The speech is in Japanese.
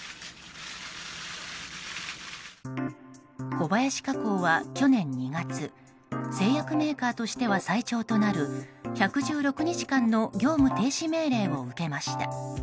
小林化工は去年２月製薬メーカーとしては最長となる１１６日間の業務停止命令を受けました。